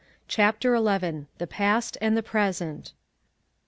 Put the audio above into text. CHAPTER XL THE PAST AND THE PRESENT.